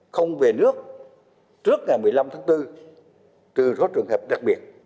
không về nước trước ngày một mươi năm tháng bốn từ rốt trường hợp đặc biệt